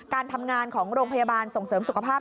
การทำงานของโรงพยาบาลส่งเสริมสุขภาพ